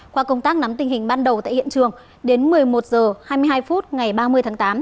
qua công tác nắm tình hình ban đầu tại hiện trường đến một mươi một h hai mươi hai phút ngày ba mươi tháng tám